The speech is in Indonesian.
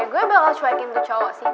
gue bakal cuekin ke cowok sih